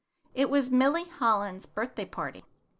It was Milly Holland's birthday party.